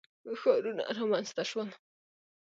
ښارونه رامنځته شول.